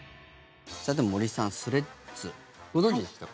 さて森さん、スレッズご存じでしたか？